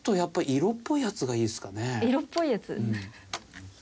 色っぽいやつ。